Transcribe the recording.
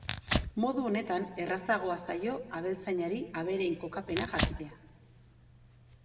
Modu honetan errazagoa zaio abeltzainari abereen kokapena jakitea.